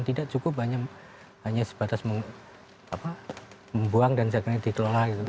tidak cukup hanya sebatas membuang dan dikelola